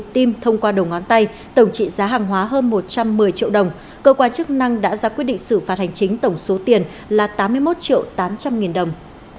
tổng trị giá hàng hóa hơn một trăm một mươi triệu đồng cơ quan chức năng đã ra quyết định xử phạt hành chính tổng số tiền là tám mươi một triệu tám trăm linh nghìn đồng